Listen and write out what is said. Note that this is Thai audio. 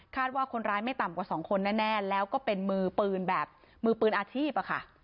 คาดว่าคนร้ายไม่ต่ำกว่าสองคนน่ะแล้วก็เป็นมือปืนอาทีพ